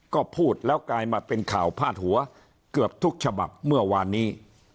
ก็พูดแล้วกลายมาเป็นข่าวพาดหัวเกือบทุกฉบับเมื่อวานนี้